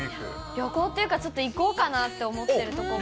旅行っていうか、ちょっと行こうかなと思ってる所が。